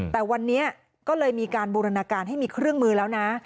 แต่วันนี้ก็เลยมีการบูรณาการให้มีเครื่องมือแล้วนะ